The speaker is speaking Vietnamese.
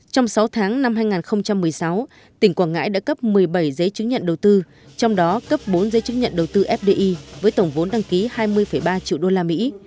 trong sáu tháng năm hai nghìn một mươi sáu tỉnh quảng ngãi đã cấp một mươi bảy giấy chứng nhận đầu tư trong đó cấp bốn giấy chứng nhận đầu tư fdi với tổng vốn đăng ký hai mươi ba triệu đô la mỹ